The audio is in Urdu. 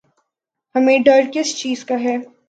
ہمیں ڈر کس چیز کا ہے؟